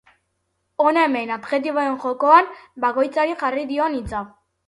Hona hemen adjektiboen jokoan bakoitzari jarri dion hitza.